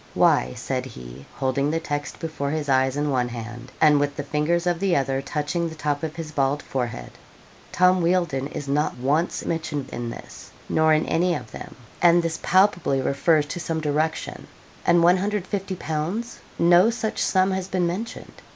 'Why,' said he, holding the text before his eyes in one hand and with the fingers of the other touching the top of his bald forehead, 'Tom Wealdon is not once mentioned in this, nor in any of them; and this palpably refers to some direction. And 150_l._? no such sum has been mentioned.